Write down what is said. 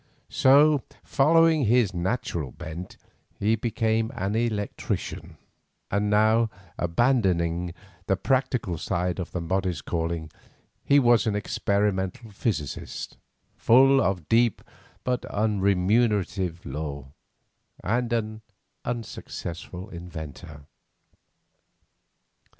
So, following his natural bent, he became an electrician, and now, abandoning the practical side of that modest calling, he was an experimental physicist, full of deep but unremunerative lore, and—an unsuccessful inventor.